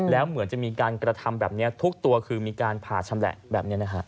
แล้วเหมือนจะมีการกระทำแบบนี้ทุกตัวคือมีการผ่าชำแหละแบบนี้นะฮะ